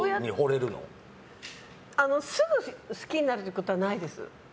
すぐ好きになることはないです。